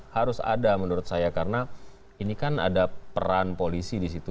harus ada menurut saya karena ini kan ada peran polisi di situ